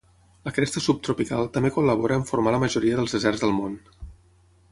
La cresta subtropical també col·labora en formar la majoria dels deserts del món.